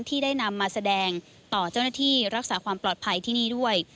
ที่ได้นำมาแสดงต่อเจ้าหน้าที่รักษาความปลอดภัยที่นี่ด้วย